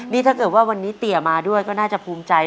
นี่ถ้าเกิดว่าวันนี้เตี๋ยมาด้วยก็น่าจะภูมิใจ